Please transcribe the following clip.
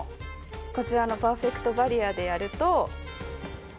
こちらのパーフェクトバリアでやると。